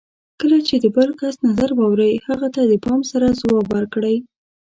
کله چې د بل کس نظر واورئ، هغه ته د پام سره ځواب ورکړئ.